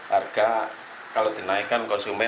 harga kalau dinaikkan konsumen